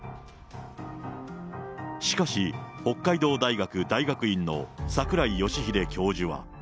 しかし、北海道大学大学院の櫻井義秀教授は。